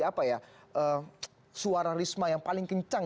apa ya suara risma yang paling kencang